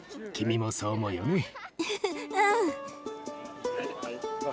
君もそう思うよね？